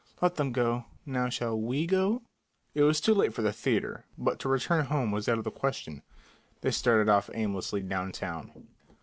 "Let them go. Now shall we go?" It was too late for the theatre, but to return home was out of the question. They started off aimlessly downtown.